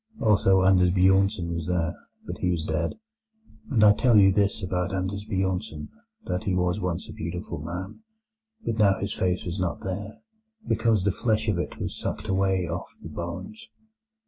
Also Anders Bjornsen was there; but he was dead. And I tell you this about Anders Bjornsen, that he was once a beautiful man, but now his face was not there, because the flesh of it was sucked away off the bones.